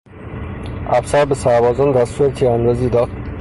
افسر به سربازان دستور تیراندازی داد.